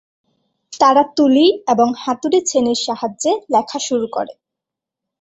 তারা তুলি এবং হাতুড়ি-ছেনির সাহায্যে লেখা শুরু করে।